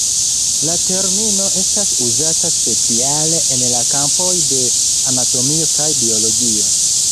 La termino estas uzata speciale en la kampoj de anatomio kaj biologio.